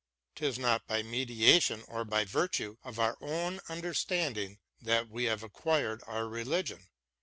... 'Tis not by meditation or by virtue of our ovra understanding that we have acqiured our reUgion